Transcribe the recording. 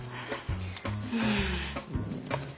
うん。